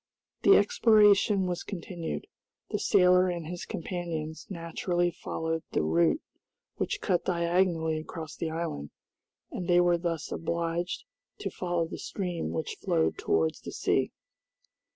The exploration was continued. The sailor and his companions naturally followed the route which cut diagonally across the island, and they were thus obliged to follow the stream which flowed towards the sea.